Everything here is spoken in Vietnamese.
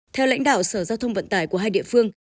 theo lãnh đạo sở giao thông vận tải của hai địa phương